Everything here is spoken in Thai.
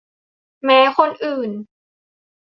แม้คนอื่น